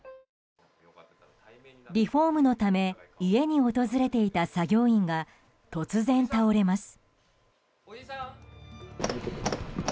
リフォームのため家に訪れていた作業員が突然、倒れます。